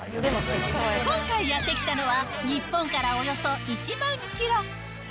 今回やって来たのは、日本からおよそ１万キロ。